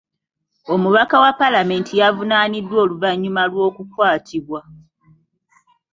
Omubaka wa paalamenti yavunaaniddwa oluvannyuma lw'okukwatibwa.